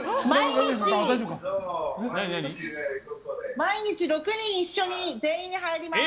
毎日６人一緒に全員で入ります。